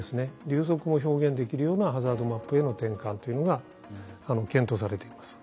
流速も表現できるようなハザードマップへの転換というのが検討されています。